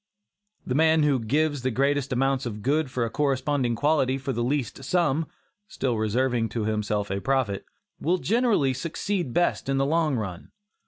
The man who gives the greatest amount of goods of a corresponding quality for the least sum (still reserving to himself a profit) will generally succeed best in the long run.